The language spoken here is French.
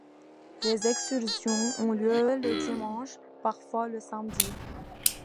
Les excursions ont lieu le dimanche, parfois le samedi.